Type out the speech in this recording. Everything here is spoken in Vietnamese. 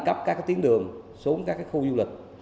để là nâng cấp các tiến đường xuống các khu du lịch